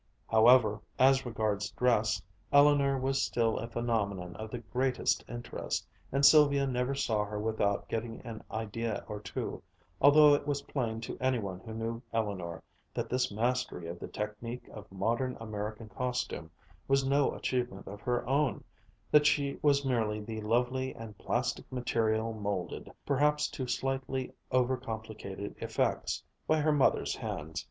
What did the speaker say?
However, as regards dress, Eleanor was still a phenomenon of the greatest interest, and Sylvia never saw her without getting an idea or two, although it was plain to any one who knew Eleanor that this mastery of the technique of modern American costume was no achievement of her own, that she was merely the lovely and plastic material molded, perhaps to slightly over complicated effects, by her mother's hands.